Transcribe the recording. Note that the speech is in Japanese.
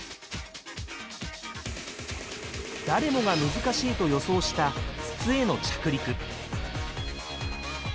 誰もが難しいと予想した筒への着陸。